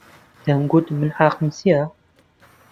دەمگوت: من حەقم چییە؟